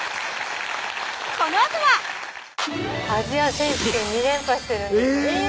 このあとはアジア選手権２連覇してるんですえぇ！